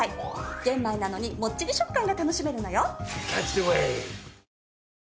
玄米なのにもっちり食感が楽しめるのよ。